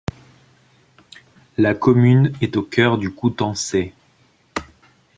La commune est au cœur du Coutançais.